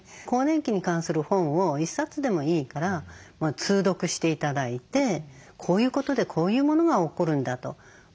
更年期に関する本を１冊でもいいから通読して頂いてこういうことでこういうものが起こるんだと。